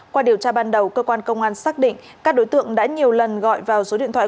qua điều tra ban đầu cơ quan công an xác định các đối tượng đã nhiều lần gọi vào số điện thoại